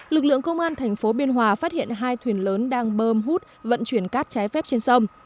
lực lượng công an thành phố biên hòa phát hiện hai thuyền lớn đang bơm hút vận chuyển cát trái phép trên sông